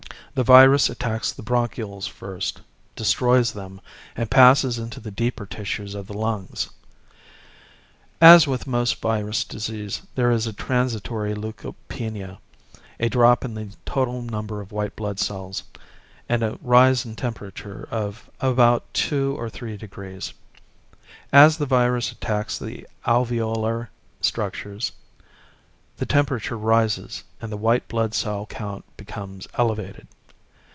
"The virus attacks the bronchioles first, destroys them, and passes into the deeper tissues of the lungs. As with most virus diseases there is a transitory leukopenia a drop in the total number of white blood cells and a rise in temperature of about two or three degrees. As the virus attacks the alveolar structures, the temperature rises and the white blood cell count becomes elevated.